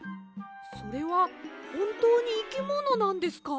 それはほんとうにいきものなんですか？